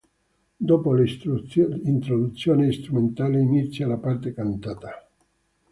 Dopo l'introduzione strumentale, inizia la parte cantata.